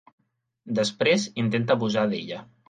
Després intenta abusar d'ella.